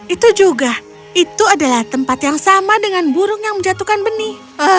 itu juga itu adalah tempat yang sama dengan burung yang menjatuhkan benih